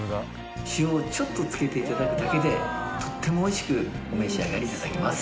塩をちょっとつけて頂くだけでとってもおいしくお召し上がり頂けます。